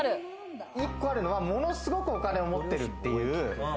１個あるのは、ものすごくお金を持ってるっていう。